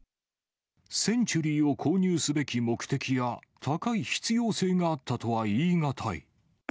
センチュリーを購入すべき目的や、高い必要性があったとはいい難い。